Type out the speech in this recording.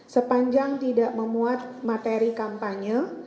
sepanjang tidak memuat materi kampanye